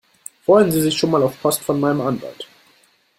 Freuen Sie sich schon mal auf Post von meinem Anwalt!